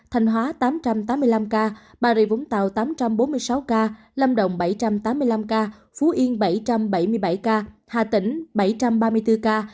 thành hóa một tám trăm tám mươi năm ca bà rịa vũng tàu một tám trăm bốn mươi sáu ca lâm động một bảy trăm tám mươi năm ca phú yên một bảy trăm bảy mươi bảy ca hà tĩnh một bảy trăm ba mươi bốn ca